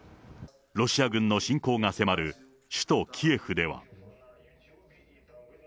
ロシア軍の侵攻が迫る首都キエフでは。